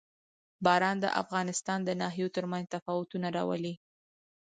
باران د افغانستان د ناحیو ترمنځ تفاوتونه راولي.